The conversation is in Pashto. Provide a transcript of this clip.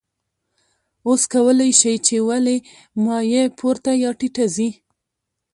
اوس کولی شئ چې ولې مایع پورته یا ټیټه ځي.